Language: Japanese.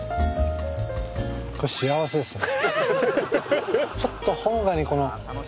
これ幸せですね。